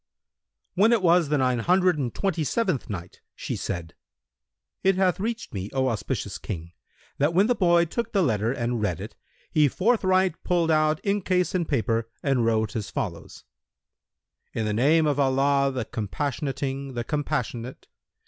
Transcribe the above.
When it was the Nine Hundred and Twenty seventh Night, She said: It hath reached me, O auspicious King, that when the boy took the letter and read it, he forthright pulled out inkcase and paper and wrote as follows:—"In the name of Allah the Compassionating, the Compassionate!